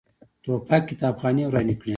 توپک کتابخانې ورانې کړي.